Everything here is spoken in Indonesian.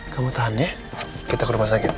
kamu tahan deh kita ke rumah sakit